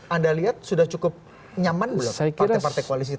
anda lihat sudah cukup nyaman belum partai partai koalisi itu